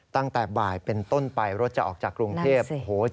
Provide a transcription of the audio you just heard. ตั้งแต่บ่ายเป็นต้นไปรถจะออกจากกรุงเทพฯ